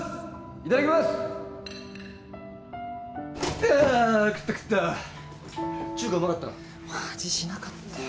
いただきます！は食った食った中華うまかったな味しなかったよ